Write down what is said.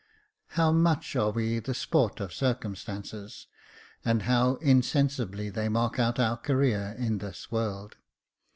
How much are we the sport of circumstances, and how insensibly they mark out our career in this world